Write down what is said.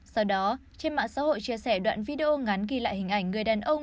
sau đó trên mạng xã hội chia sẻ đoạn video ngắn ghi lại hình ảnh người đàn ông